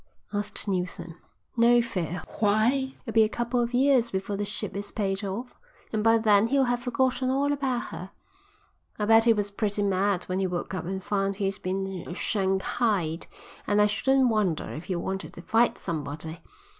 asked Neilson. "No fear. Why, it'll be a couple of years before the ship is paid off, and by then he'll have forgotten all about her. I bet he was pretty mad when he woke up and found he'd been shanghaied, and I shouldn't wonder but he wanted to fight somebody.